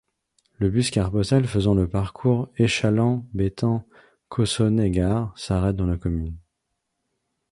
Le bus CarPostal faisant le parcours Échallens-Bettens-Cossonay-Gare s'arrête dans la commune.